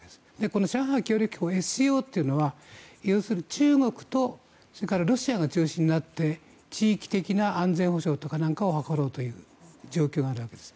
この上海協力機構・ＳＣＯというのは中国とロシアが中心となって地域的な安全保障とかなんかを図ろうという状況があるわけです。